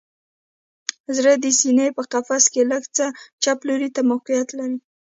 زړه د سینه په قفس کې لږ څه چپ لوري ته موقعیت لري